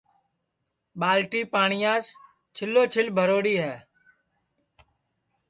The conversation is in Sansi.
ٻالٹی پاٹِؔیاس چھِلو چھِل بھروڑی ہے